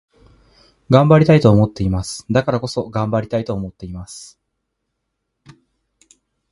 頑張りたいと思っています。だからこそ、頑張りたいと思っています。